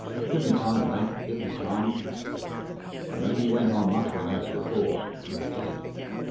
Give me time, mate, give me time." And then he went on muttering as before, "Dead!